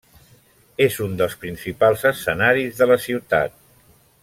És un dels principals escenaris de la ciutat.